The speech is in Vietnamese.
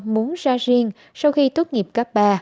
muốn ra riêng sau khi tốt nghiệp cấp ba